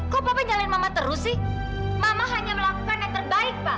kok papa nyalahin mama terus sih mama hanya melakukan yang terbaik pa